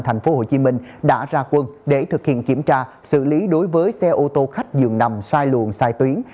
thành phố hồ chí minh đã ra quân để thực hiện kiểm tra xử lý đối với xe ô tô khách dường nằm sai luồng sai tuyến